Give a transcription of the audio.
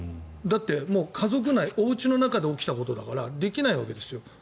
だって、家族内おうちの中で起きたことだからできないわけですよ。